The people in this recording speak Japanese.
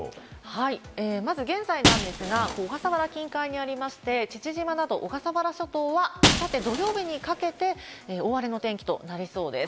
はい、まず現在なんですが、小笠原近海にありまして、父島など小笠原諸島は、あさって土曜日にかけて大荒れの天気となりそうです。